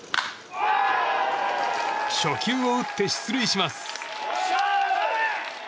初球を打って出塁します。